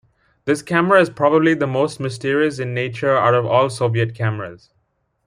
This camera is probably the most mysterious in nature out of all Soviet cameras.